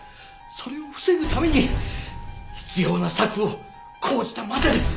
それを防ぐために必要な策を講じたまでです。